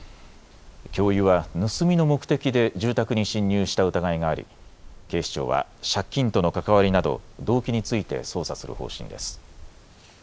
教諭は盗みの目的で住宅に侵入した疑いがあり警視庁は借金との関わりなど動機について捜査する方針です。